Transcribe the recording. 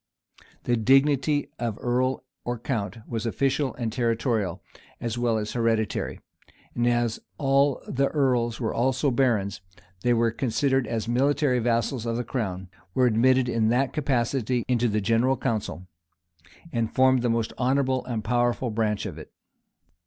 The dignity of earl or count was official and territorial, as well as hereditary; and as ali the earls were also barons, they were considered as military vassals of the crown, were admitted in that capacity into the general council, and formed the most honorable and powerful branch of it.